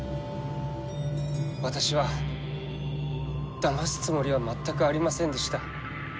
私はだますつもりは全くありませんでした。